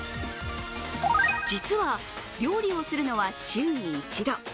実は料理をするのは週に１度。